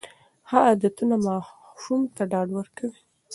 ښه عادتونه ماشوم ته ډاډ ورکوي.